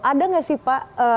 ada nggak sih pak